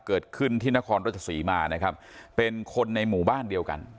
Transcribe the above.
เกิดขึ้นที่นครราชศรีมานะครับเป็นคนในหมู่บ้านเดียวกัน